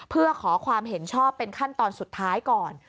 เพื่อขอความเห็นชอบเป็นขั้นตอนสุดท้ายก่อน